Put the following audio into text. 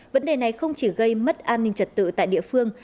vấn đề này không chỉ gây mất an ninh trật tự tại địa phương